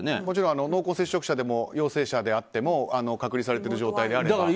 もちろん、濃厚接触者でも陽性者であっても隔離されている状態であれば。